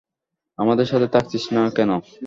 আমাদের সাথে থাকছিস না কেন?